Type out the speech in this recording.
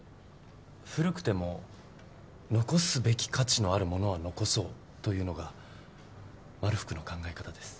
古くても残すべき価値のあるものは残そうというのがまるふくの考え方です。